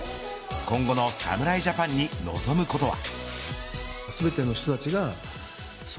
今後の侍ジャパンに望むことは。